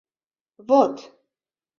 — Вот!